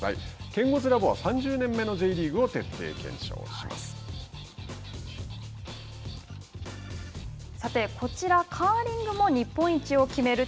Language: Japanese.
ケンゴズラボは３０年目のさて、こちらカーリングも日本一を決める